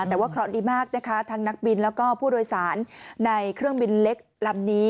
แต่ว่าก็ดีมากทั้งนักบินและผู้โดยสารในเครื่องบินเล็กนี้